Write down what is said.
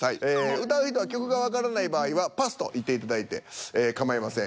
歌う人は曲がわからない場合は「パス」と言っていただいてかまいません。